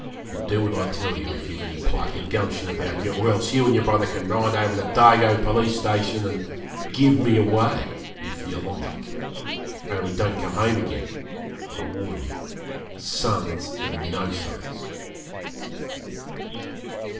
'You do what I tell you if you've any pluck and gumption about you; or else you and your brother can ride over to Dargo Police Station and "give me away" if you like; only don't come home again, I warn you, sons or no sons.'